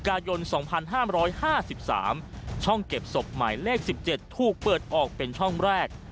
กายน๒๕๕๓ช่องเก็บศพหมายเลข๑๗ถูกเปิดออกเป็นช่องแรก